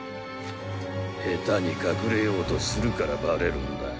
下手に隠れようとするからバレるんだ。